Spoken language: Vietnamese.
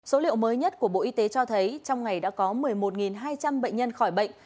số liệu mới nhất của bộ y tế cho thấy trong ngày đã có một mươi một hai trăm linh bệnh nhân khỏi bệnh